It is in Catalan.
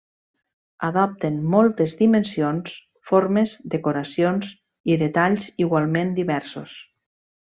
Adopten moltes dimensions, formes, decoracions i detalls igualment diversos.